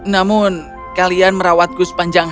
namun kalian merawatku sepanjangnya